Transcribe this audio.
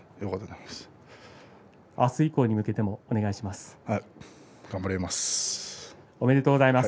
あす以降に向けても頑張ります。